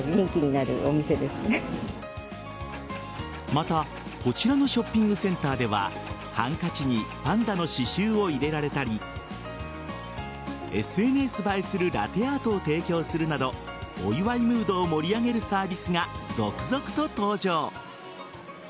また、こちらのショッピングセンターではハンカチにパンダの刺しゅうを入れられたりＳＮＳ映えするラテアートを提供するなどお祝いムードを盛り上げるサービスが続々と登場。